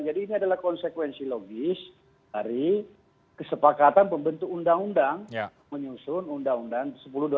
jadi ini adalah konsekuensi logis dari kesepakatan pembentuk undang undang menyusun undang undang sepuluh dua ribu enam belas